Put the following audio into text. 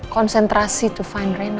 konsentrasi untuk menemukan rena